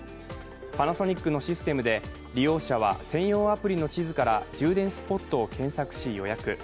パナソニックのシステムで利用者は専用アプリの地図から充電スポットを検索し、予約。